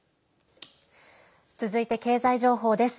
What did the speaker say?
続いて経済情報です。